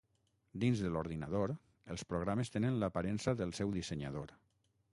Dins de l'ordinador, els programes tenen l'aparença del seu dissenyador.